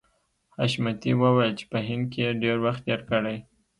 حشمتي وویل چې په هند کې یې ډېر وخت تېر کړی